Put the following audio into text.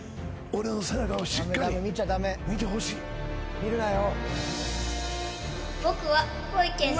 見るなよ。